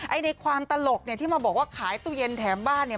ในความตลกเนี่ยที่มาบอกว่าขายตู้เย็นแถมบ้านเนี่ย